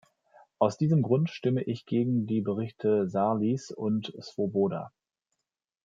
Aus diesem Grunde stimme ich gegen die Berichte Sarlis und Swoboda.